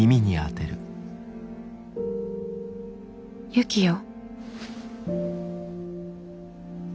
ユキよ。